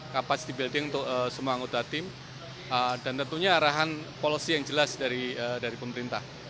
kapasitas di building untuk semua anggota tim dan tentunya arahan policy yang jelas dari pemerintah